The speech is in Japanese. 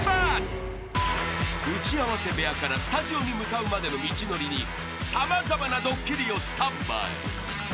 ［打ち合わせ部屋からスタジオに向かうまでの道のりに様々なドッキリをスタンバイ］